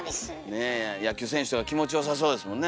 ねえ野球選手とか気持ちよさそうですもんね